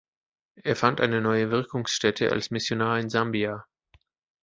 Er fand eine neue Wirkungsstätte als Missionar in Sambia.